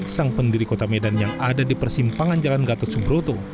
sang pendiri kota medan yang ada di persimpangan jalan gatot subroto